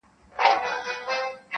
• نن په څشي تودوې ساړه رګونه -